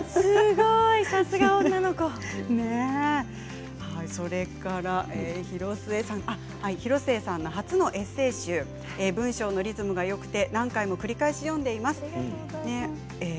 さすが女の子、すごい。広末さんの初のエッセー集文章のリズムがよくて何回も繰り返し読んでいます。